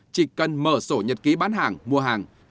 chỉ cần mở sổ nhật ký bán hàng mua hàng